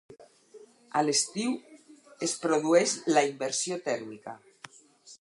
A l'estiu es produeix la inversió tèrmica.